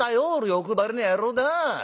欲張りな野郎だな。